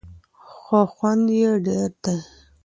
خو خوند یې ډېر دی.